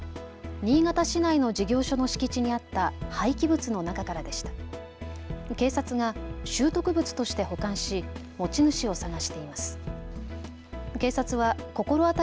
新潟市内の事業所の敷地にあった廃棄物の中からでした。